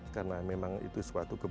karena memang itu sesuatu keberanian